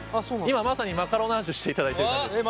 今まさにマカロナージュしていただいてる感じですね。